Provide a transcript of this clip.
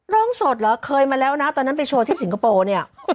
ร้องสดเหรอเคยมาแล้วนะตอนนั้นไปโชว์ที่สิงคโปร์เนี่ย